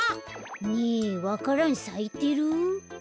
ねえわか蘭さいてる？